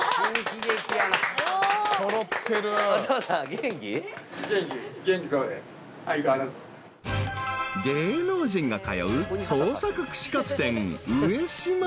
［芸能人が通う創作串カツ店］